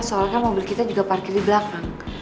soalnya mobil kita juga parkir di belakang